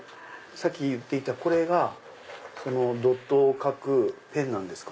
さっき言っていたこれがドットを描くペンなんですか？